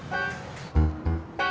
bang jurnalnya satu